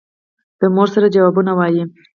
د مور سره جوابونه وايي.